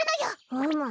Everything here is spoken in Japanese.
うむ。